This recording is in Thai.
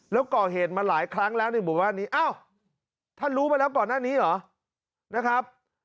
แล้วก่อเหตุมาหลายครั้งแล้วในหมู่บ้านนี้อ้าวท่านรู้มาแล้วก่อนหน้านี้เหรอนะครับ